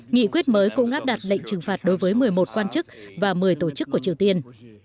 nghị quyết mới cũng áp đặt lệnh trừng phạt đối với một mươi một quan chức và một mươi tổ chức của triều tiên